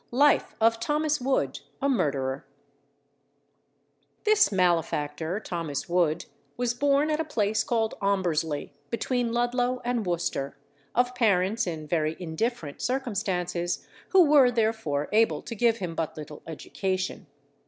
Life of THOMAS WOOD, a Murderer This malefactor, Thomas Wood, was born at a place called Ombersley, between Ludlow and Worcester, of parents in very indifferent circumstances, who were therefore able to give him but little education.